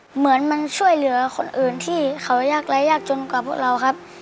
เหมือนมันช่วยเหลือคนอื่นที่เขายากไร้ยากจนกว่าพวกเราครับ